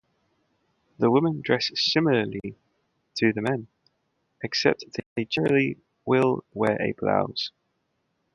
The women dress similarly to the men, except they generally will wear a blouse.